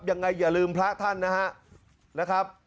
อย่าลืมพระท่านนะครับ